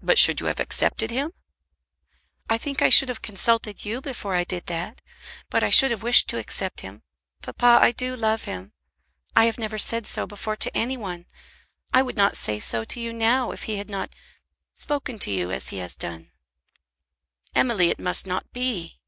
"But should you have accepted him?" "I think I should have consulted you before I did that. But I should have wished to accept him. Papa, I do love him. I have never said so before to any one. I would not say so to you now, if he had not spoken to you as he has done." "Emily, it must not be."